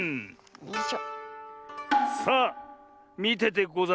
よいしょ。